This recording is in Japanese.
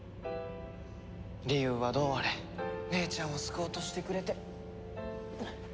理由はどうあれ姉ちゃんを救おうとしてくれて。